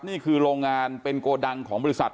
นี่คือโรงงานเป็นโกดังของบริษัท